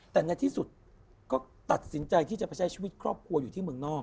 แต่ในที่สุดก็ตัดสินใจที่จะไปใช้ชีวิตครอบครัวอยู่ที่เมืองนอก